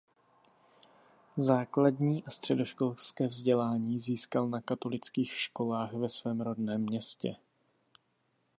Základní a středoškolské vzdělání získal na katolických školách ve svém rodném městě.